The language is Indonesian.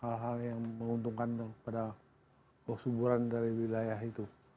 hal hal yang menguntungkan pada kesuburan dari wilayah itu